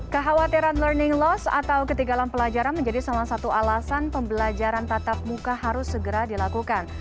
kekhawatiran learning loss atau ketigalan pelajaran menjadi salah satu alasan pembelajaran tatap muka harus segera dilakukan